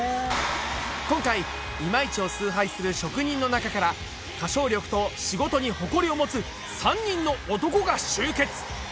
今回今市を崇拝する職人の中から歌唱力と仕事に誇りを持つ３人の男が集結